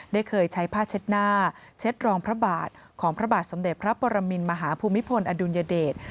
ได้เคยใช้ผ้าเช็ดหน้าเช็ดรองพระบาทของพระบาทสมเด็จพระปรมินมหาภูมิพลอดุลยเดช